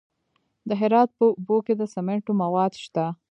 د هرات په اوبې کې د سمنټو مواد شته.